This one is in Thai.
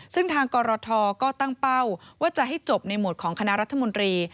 ซึ่งทางกรทก็ตั้งเป้าว่าจะให้จบในหมวดของคณะรัฐมนตรี